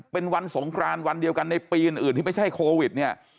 เป็นวันสงครานวันเดียวกันในปีอื่นที่ไม่ใช่โควิดเนี่ย